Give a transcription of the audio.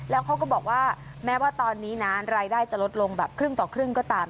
แล้วเขาก็บอกว่าแม้ว่าตอนนี้นะรายได้จะลดลงแบบครึ่งต่อครึ่งก็ตาม